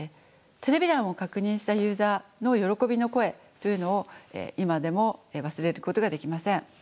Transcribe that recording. テレビ欄を確認したユーザーの喜びの声というのを今でも忘れることができません。